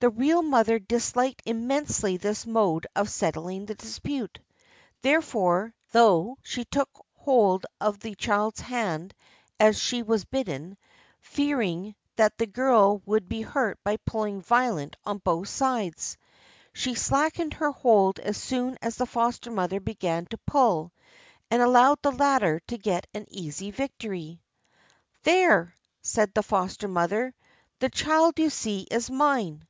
The real mother disliked immensely this mode of set tling the dispute; therefore, though she took hold of the child's hand, as she was bidden, fearing that the girl would be hurt by pulling violent on both sides, she slackened her hold as soon as the foster mother began to pull, and allowed the latter to get an easy victory. "There!" said the foster mother, "the child, you see, is mine."